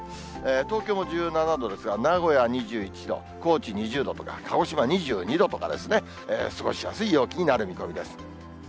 東京も１７度ですが、名古屋２１度、高知２０度とか、鹿児島２２度とかですね、過ごしやすい陽気になる見込みです。